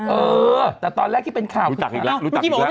เออแต่ตอนแรกที่เป็นข่าวคือคนนี้รู้จักอีกแล้ว